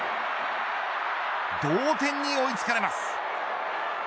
同点に追いつかれます。